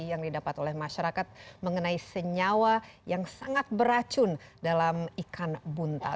yang didapat oleh masyarakat mengenai senyawa yang sangat beracun dalam ikan bunta